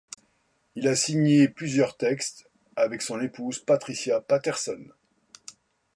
Il a signé plusieurs textes avec son épouse Patricia Patterson.